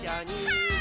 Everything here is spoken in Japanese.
はい。